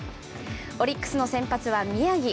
オリックスの先発は宮城。